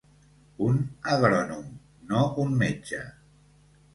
Un agrònom, no un metge.